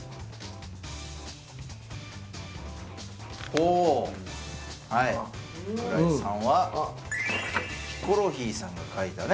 ほうはい櫻井さんはヒコロヒーさんが描いたね